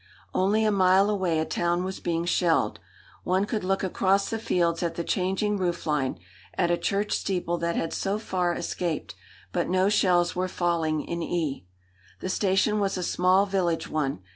Only a mile away a town was being shelled. One could look across the fields at the changing roof line, at a church steeple that had so far escaped. But no shells were falling in E . The station was a small village one.